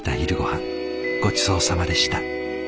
ごちそうさまでした。